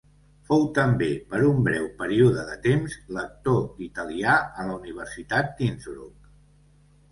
Fou també, per un breu període de temps, lector d'italià a la Universitat d'Innsbruck.